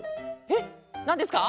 えっなんですか？